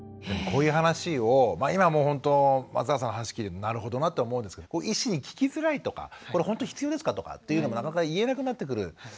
こういう話を今もうほんと松永さんの話聞いてなるほどなって思うんですけど医師に聞きづらいとか「これほんと必要ですか？」とかっていうのもなかなか言えなくなってくる。